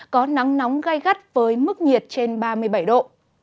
có nắng nóng gai gắt với mức nhiệt trên ba mươi bảy độ